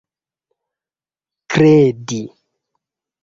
kredi